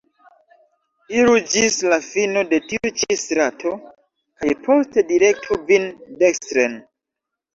Iru ĝis la fino de tiu ĉi strato kaj poste direktu vin dekstren.